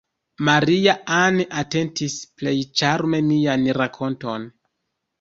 Maria-Ann atentis plej ĉarme mian rakonton.